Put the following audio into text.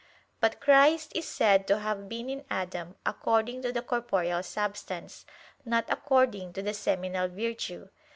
But Christ is said to have been in Adam according to the "corporeal substance," not according to the seminal virtue.